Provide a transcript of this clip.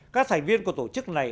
các thành viên của tổ chức này